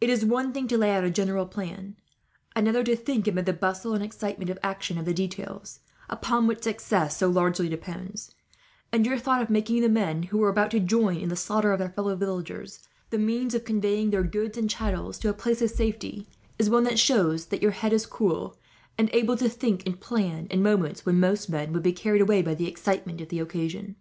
It is one thing to lay out a general plan; another to think, amid the bustle and excitement of action, of the details upon which success so largely depends; and your thought of making the men, who were about to join in the slaughter of their fellow villagers, the means of conveying their goods and chattels to a place of safety, is one that shows that your head is cool, and able to think and plan in moments when most men would be carried away by the excitement of the occasion.